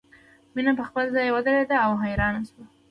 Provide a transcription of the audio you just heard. مینه په خپل ځای ودریده او حیرانه شوه